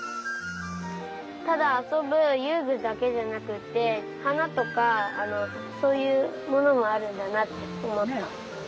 ただあそぶゆうぐだけじゃなくってはなとかそういうものもあるんだなっておもった。